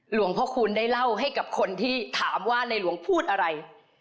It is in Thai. หลวงพ่อคูณได้เล่าให้กับคนที่ถามว่าในหลวงพูดอะไร